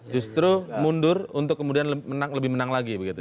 justru mundur untuk kemudian lebih menang lagi begitu ya